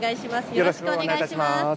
よろしくお願いします。